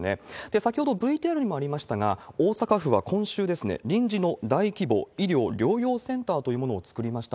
先ほどＶＴＲにもありましたが、大阪府は今週、臨時の大規模医療療養センターというものを作りました。